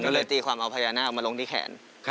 ก็เลยตีความเอาพญานาคมาลงที่แขน